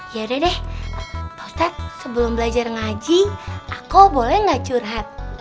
yaudah deh ustadz sebelum belajar ngaji aku boleh gak curhat